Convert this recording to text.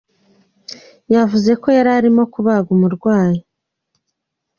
Yavuze ko yari ari kubaga umurwayi.